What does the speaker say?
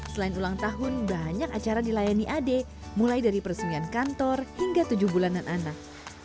selain ulang tahun banyak acara dilayani ade mulai dari peresmian kantor hingga tujuh bulanan anak